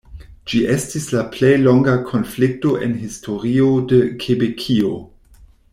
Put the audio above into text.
Ĝi estis la plej longa konflikto en historio de Kebekio.